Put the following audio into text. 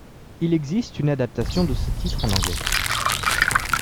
Il existe une adaptation de ce titre en anglais.